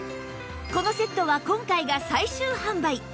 このセットは今回が最終販売